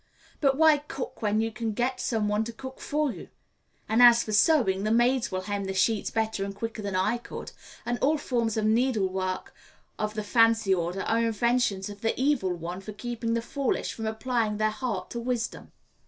But why cook when you can get some one to cook for you? And as for sewing, the maids will hem the sheets better and quicker than I could, and all forms of needlework of the fancy order are inventions of the evil one for keeping the foolish from applying their heart to wisdom.